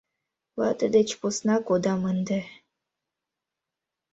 Вате деч посна кодам ынде...